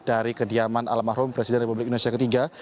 dari kediaman almarhum presiden republik indonesia ketiga